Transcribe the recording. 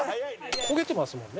焦げてますもんね。